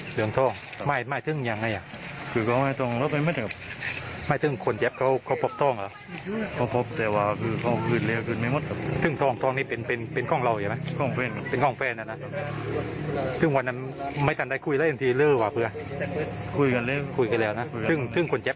พี่มาแบบไงพวกเขาฟังว่าก็ไม่ได้ฟัง